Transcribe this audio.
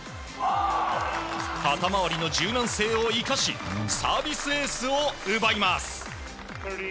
肩回りの柔軟性を生かしサービスエースを奪います。